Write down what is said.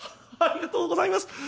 ありがとうございます。